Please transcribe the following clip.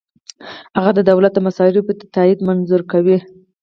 هغه د دولت د مصارفو تادیه منظوره کوي.